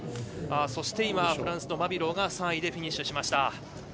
そしてフランスのマビローが３位でフィニッシュしました。